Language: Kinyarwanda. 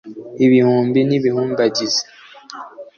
Ibihumbi n'ibihumbagiza